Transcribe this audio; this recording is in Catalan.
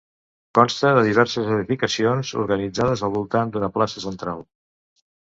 Consta de diverses edificacions organitzades al voltant d'una plaça central.